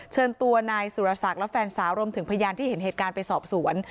เชิญตัวนายสุรศักดิ์และแฟนสาวรวมถึงพยานที่เห็นเหตุการณ์ไปสอบสวน